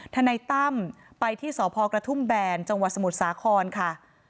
ทนายตั้มไปที่สพกระทุ่มแบนจังหวัดสมุทรสาครค่ะ